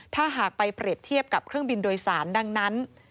ถ้าหากไปเปรียบเทียบกับเครื่องบินโดยสารดังนั้น